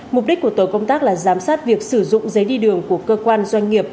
mục đích của tổ công tác là giám sát việc sử dụng giấy đi đường của cơ quan doanh nghiệp